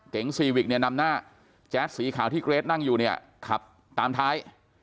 ซีวิกเนี่ยนำหน้าแจ๊สสีขาวที่เกรทนั่งอยู่เนี่ยขับตามท้าย